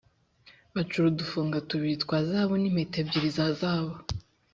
bacura udufunga tubiri twa zahabu nimpeta ebyiri za zahabu.